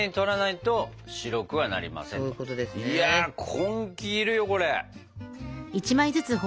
いや根気いるよこれ。